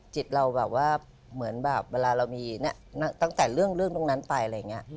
จิตเราแบบว่าเหมือนแบบเวลาเรามีตั้งแต่เรื่องตรงนั้นไปอะไรอย่างนี้